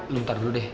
lo ntar dulu deh